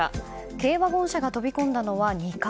軽ワゴン車が飛び込んだのは２階。